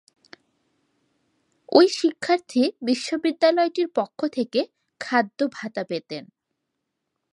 ওই শিক্ষার্থী বিশ্ববিদ্যালয়টির পক্ষ থেকে খাদ্য ভাতা পেতেন।